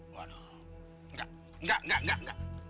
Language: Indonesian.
enggak enggak enggak